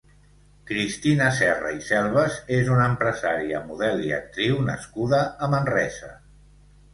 Cristina Serra i Selvas és una empresària, model i actriu nascuda a Manresa.